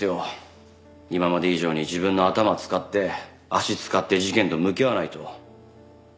今まで以上に自分の頭使って足使って事件と向き合わないと。